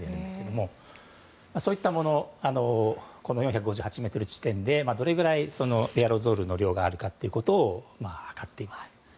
そういったものを４５８ｍ地点でどれぐらいエアロゾルの量があるかということを測っています。